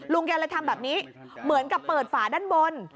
แกเลยทำแบบนี้เหมือนกับเปิดฝาด้านบน